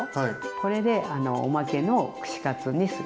これであのおまけの串カツにする。